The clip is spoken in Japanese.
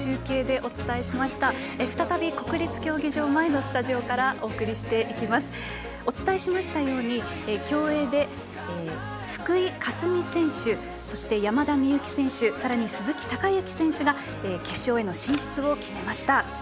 お伝えしましたように競泳で福井香澄選手そして山田美幸選手さらに鈴木孝幸選手が決勝への進出を決めました。